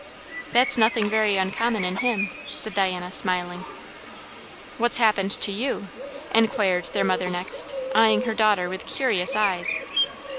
"That's nothing very uncommon in him," said Diana, smiling. "What's happened to you?" inquired her mother next, eyeing her daughter with curious eyes.